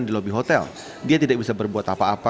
di lobi hotel dia tidak bisa berbuat apa apa